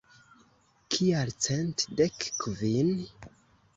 Kial cent dek kvin?